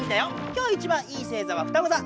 今日一番いい星座は双子座。